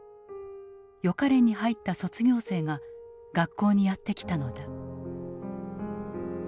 予科練に入った卒業生が学校にやって来たのだ。